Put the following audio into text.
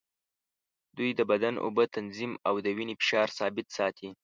دوی د بدن اوبه تنظیم او د وینې فشار ثابت ساتي.